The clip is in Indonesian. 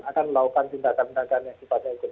akan melakukan tindakan tindakan yang sifatnya hukum